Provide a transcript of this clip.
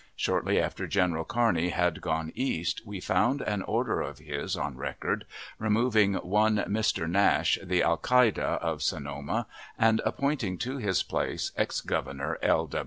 Shortly after General Kearney had gone East, we found an order of his on record, removing one Mr. Nash, the Alcalde of Sonoma, and appointing to his place ex Governor L.